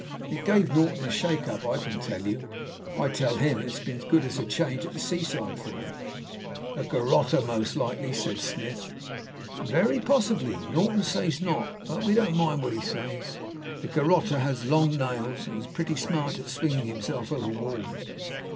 It gave Norton a shake up, I can tell you. I tell him it has been as good as a change at the sea side for him." "A garrotter, most likely," said Smith. "Very possibly. Norton says not; but we don't mind what he says. The garrotter had long nails, and was pretty smart at swinging himself over walls.